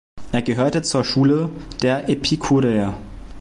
Er gehörte zur Schule der Epikureer.